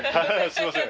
すいません。